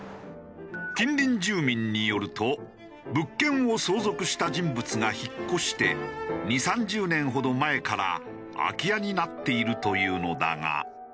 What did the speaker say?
近隣住民によると物件を相続した人物が引っ越して２０３０年ほど前から空き家になっているというのだが。